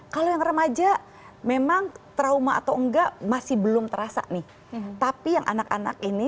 kalau yang remaja memang trauma atau enggak masih belum terasa nih tapi yang anak anak ini